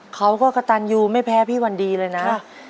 เขาก็กระตันยูไม่แพ้พี่วันดีเลยนะ